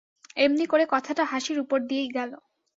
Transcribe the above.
এমনি করে কথাটা হাসির উপর দিয়েই গেল।